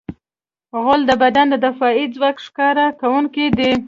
غول د بدن د دفاعي ځواک ښکاره کوونکی دی.